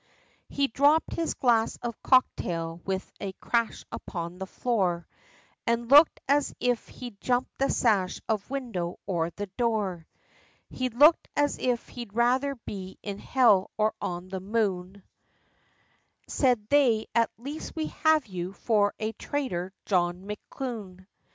He dhropped his glass of cock tail, with a crash upon the floor; And looked, as if he'd jump the sash, of window, or the door, He looked, as if he'd rather be in Hell, or on the moon; Said they, "At last we have you, for a traitor, John McKune!"